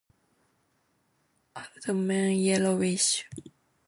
Abdomen yellowish.